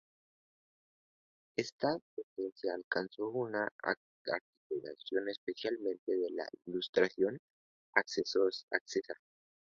Esta tendencia alcanzó una articulación especialmente en la Ilustración escocesa.